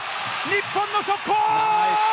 日本の速攻！